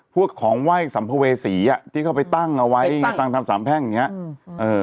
พวกของไหว้สัมภเวศีที่เขาไปตั้งเอาไว้ทางสามแพงอย่างนี้